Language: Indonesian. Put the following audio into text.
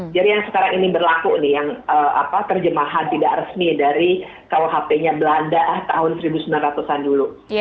jadi yang sekarang ini berlaku nih yang terjemahan tidak resmi dari kuhp nya belanda tahun seribu sembilan ratus an dulu